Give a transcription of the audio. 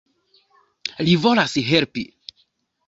Li volas helpi.